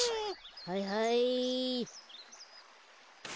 はいはい。